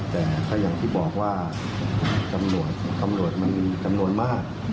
แต่อย่างที่บอกว่าคำหนวดมันมีจำนวนมาก